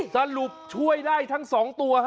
สรุปช่วยได้ทั้งสองตัวฮะ